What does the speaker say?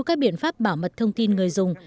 các biện pháp bảo mật thông tin người dùng